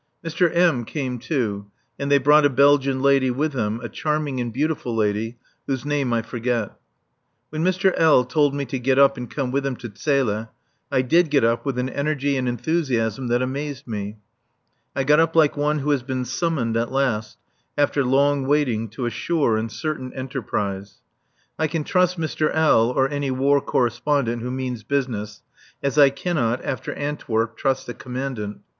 Mr. M. came too, and they brought a Belgian lady with them, a charming and beautiful lady, whose name I forget. When Mr. L. told me to get up and come with him to Zele, I did get up with an energy and enthusiasm that amazed me; I got up like one who has been summoned at last, after long waiting, to a sure and certain enterprise. I can trust Mr. L. or any War Correspondent who means business, as I cannot (after Antwerp) trust the Commandant.